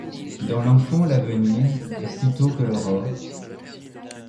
Dans l'enfant l'avenir, et sitôt que l'aurore.